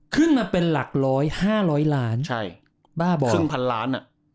ขึ้นมาเป็นหลักร้อย๕๐๐ล้าน